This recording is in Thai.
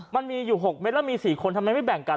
มันมีอยู่๖เม็ดแล้วมี๔คนทำไมไม่แบ่งกัน